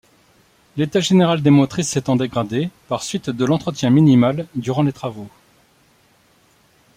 L'état général des motrices s'étant dégradé par suite de l'entretien minimal durant les travaux.